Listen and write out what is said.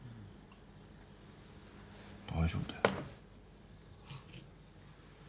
大丈夫だよ。